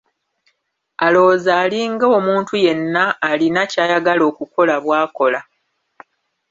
Alowooza ali ng'omuntu yenna alina ky'ayagala okukola bw'akola.